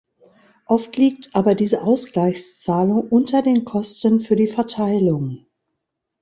Oft liegt aber diese Ausgleichszahlung unter den Kosten für die Verteilung.